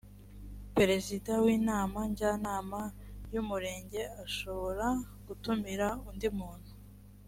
perezida w inama njyanama y umurenge ashobora gutumira undi muntu